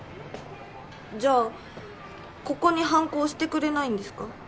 じゃあここにハンコ押してくれないんですか？